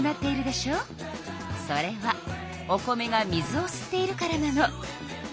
それはお米が水をすっているからなの。